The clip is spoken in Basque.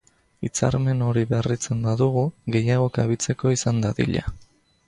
Hitzarmen hori berritzen badugu, gehiago kabitzeko izan dadila.